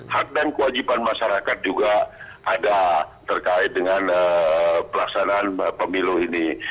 hak dan kewajiban masyarakat juga ada terkait dengan pelaksanaan pemilu ini